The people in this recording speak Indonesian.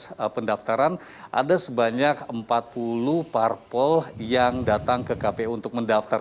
pada saat pendaftaran ada sebanyak empat puluh parpol yang datang ke kpu untuk mendaftar